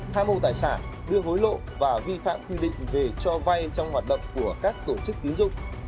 tham mô tài sản đưa hối lộ và vi phạm quy định về cho vay trong hoạt động của các tổ chức tín dụng